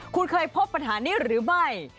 คุณเคยพบปัญหานี้หรือไม่